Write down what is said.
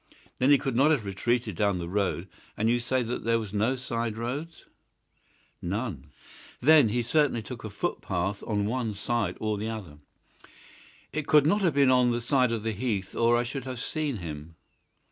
"Then he could not have retreated down the road, and you say that there are no side roads?" "None." "Then he certainly took a footpath on one side or the other." "It could not have been on the side of the heath or I should have seen him."